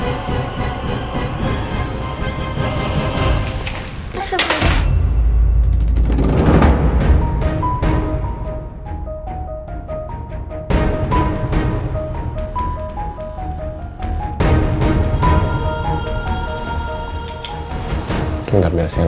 itu enggak biasa yang ditinggalkan